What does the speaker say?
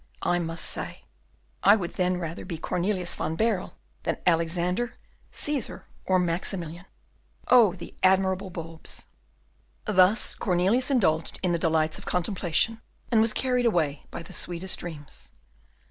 I must say, I would then rather be Cornelius van Baerle than Alexander, Cæsar, or Maximilian. "Oh the admirable bulbs!" Thus Cornelius indulged in the delights of contemplation, and was carried away by the sweetest dreams.